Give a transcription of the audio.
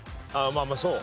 まあそう。